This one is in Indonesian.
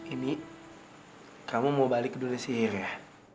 ini kamu mau balik ke dunia sihir ya